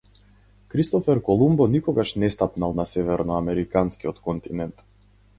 Кристофер Колумбо никогаш не стапнал на северноамериканскиот континент.